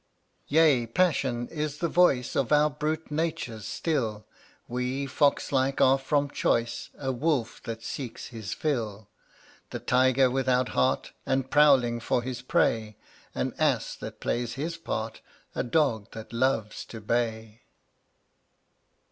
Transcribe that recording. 119 Yea, passion is the voice Of our brute natures still; We fox like are from choice — A wolf that seeks his fill — The tiger without heart And prowling for his prey — An ass that plays his part — A dog that loves to bay.